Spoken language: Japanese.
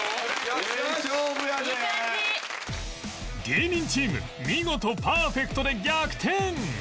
芸人チーム見事パーフェクトで逆転！